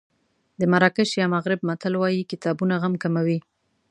د مراکش یا مغرب متل وایي کتابونه غم کموي.